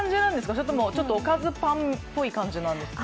それともおかずパンっぽい感じなんですか？